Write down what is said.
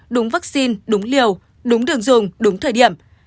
đúng vaccine đúng liều đúng đường dùng đúng thời điểm